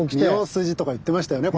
澪筋とか言ってましたよね